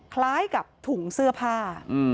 คล้ายกับถุงเสื้อผ้า